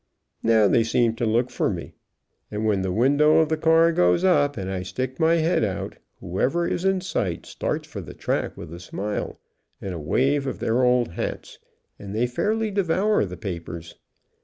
Now they seem to look for me, and when the window of the car goes up and I stick my head out, whoever is in sight starts for the track with a smile, and a wave of their old hats, and they fairly devour the papers.